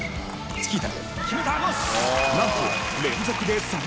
チキータ。